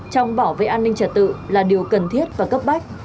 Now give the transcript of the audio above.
trong bảo vệ an ninh chất tử là điều cần thiết và cấp bách